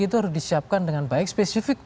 itu harus disiapkan dengan baik spesifik